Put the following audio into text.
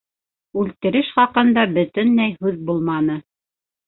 — Үлтереш хаҡында бөтөнләй һүҙ булманы.